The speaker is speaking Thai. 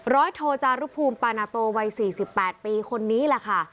ร้อยโทจารุภูมิปานาโตวัยสี่สิบแปดปีคนนี้แหละค่ะ